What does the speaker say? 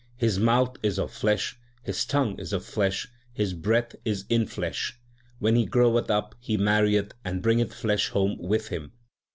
His mouth is of flesh, his tongue is of flesh, his breath is in flesh. When he groweth up he marrieth, and bringeth flesh home with him.